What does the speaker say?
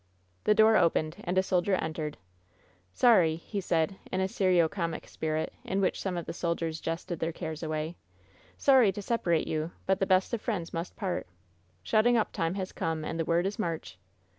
The door opened and a soldier entered. "Sorry," he said, in a serio comic spirit in which some of the soldiers jested their cares away, "sorry to separate you, but the best of friends must part. Shutting up time has come, and the word is march!"